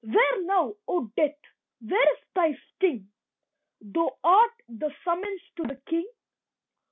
Where now, O Death, where is thy sting? Thou art the summons to the King.